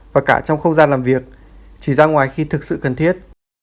và cả trong không gian làm việc chỉ ra ngoài khi thực sự cần thiết